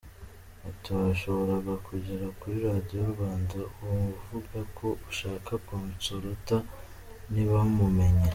Ati “Washoboraga kugera kuri Radio Rwanda wavuga ko ushaka Consolata ntibamumenye.